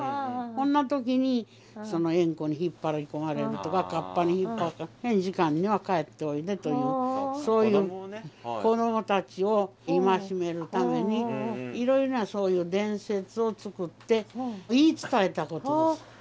そんな時にエンコに引っ張り込まれるとかカッパに引っ張られるから時間には帰っておいでというそういう子どもたちを戒めるためにいろいろなそういう伝説を作って言い伝えたことです。